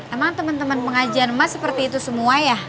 emang teman teman pengajian emas seperti itu semua ya